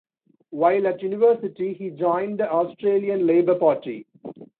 While at university, he joined the Australian Labor Party.